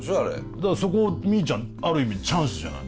だからそこみーちゃんある意味チャンスじゃない。